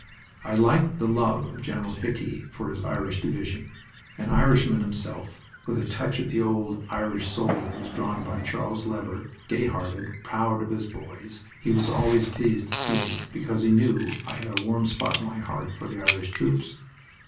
I liked the love of General Hickey for his Irish division. An Irishman himself, with a touch of the old Irish soldier as drawn by Charles Lever, gay hearted, proud of his boys, he was always pleased to see me because he knew I had a warm spot in my heart for the Irish troops.